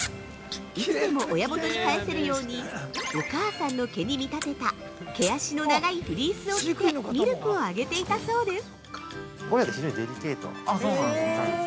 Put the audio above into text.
いつでも親元に返せるようにお母さんの毛に見立てた毛足の長いフリースを着てミルクを上げていたそうです。